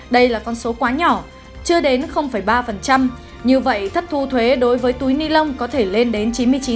đây là con số quá nhỏ chưa đến ba như vậy thất thu thuế đối với túi ni lông có thể lên đến chín mươi chín